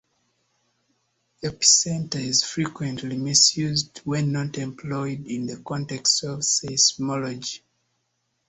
Epicenter is frequently misused when not employed in the context of seismology.